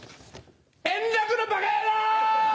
円楽のバカ野郎！